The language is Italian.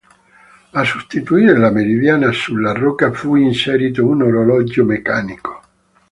A sostituire la meridiana sulla rocca, fu inserito un orologio meccanico.